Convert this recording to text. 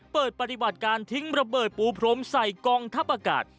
เปิดปฏิบัติการทิ้งระเบิดปูพรมใส่กองทัพอากาศ